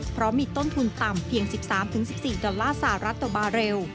เพราะมีต้นทุนต่ำเพียง๑๓๑๔ดอลลาร์สหรัฐต่อบาเรล